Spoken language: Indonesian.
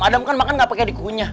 adam kan makan nggak pake dikunyah